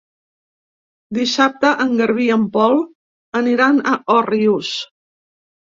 Dissabte en Garbí i en Pol aniran a Òrrius.